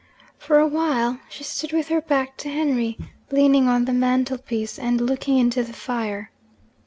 For a while, she stood with her back to Henry, leaning on the mantel piece, and looking into the fire.